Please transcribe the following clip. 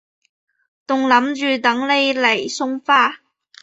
仲諗住等你嚟送花